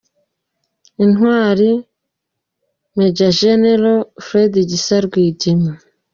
Intwali Major Gen. Fred Gisa Rwigema